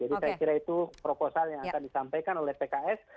jadi saya kira itu proposal yang akan disampaikan oleh pks